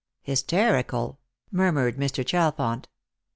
Hysterical," murmured Mr. Chalfont.